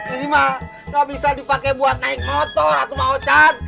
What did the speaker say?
ini mah gak bisa dipake buat naik motor ratu mang ocet